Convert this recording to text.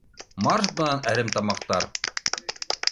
Марш бынан әремтамаҡтар!